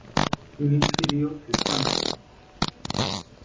তিনি সিরীয় খ্রিস্টান ছিলেন।